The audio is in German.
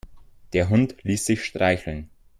Der Hund ließ sich streicheln.